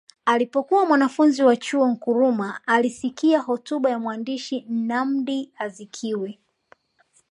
Alipokuwa mwanafunzi wa chuo Nkrumah alisikia hotuba ya mwandishi Nnamdi Azikiwe